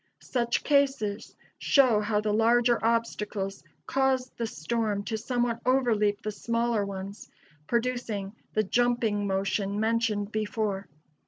Such cases show how the larger obstacles cause the storm to somewhat overleap the smaller ones, producing the "jumping" motion mentioned before.